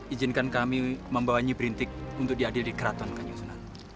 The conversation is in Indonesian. ijinkan kami membawanya berintik untuk diadil di keraton kanyu sunan